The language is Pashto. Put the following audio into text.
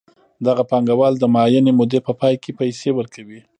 دغه پانګوال د معینې مودې په پای کې پیسې ورکوي